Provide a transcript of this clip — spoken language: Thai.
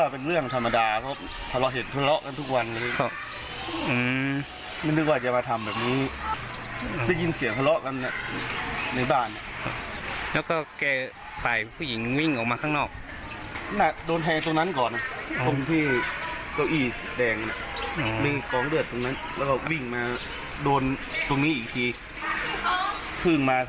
เพิ่งมาทะเลาะกันประมาณเดือนหนึ่ง